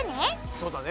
そうだね。